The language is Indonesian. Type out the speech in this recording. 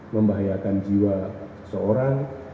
membahayakan jiwa seorang